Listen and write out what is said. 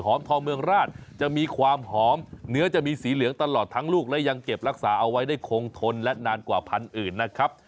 ทองเมืองราชจะมีความหอมเนื้อจะมีสีเหลืองตลอดทั้งลูกและยังเก็บรักษาเอาไว้ได้คงทนและนานกว่าพันธุ์อื่นนะครับ